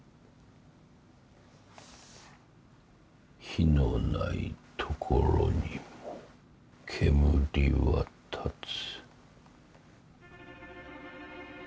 「火のない所にも煙は立つ」